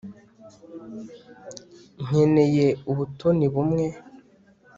nkeneye ubutoni bumwe